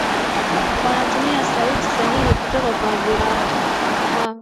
wanatumia sauti sahihi kutoka kwa hadhira wao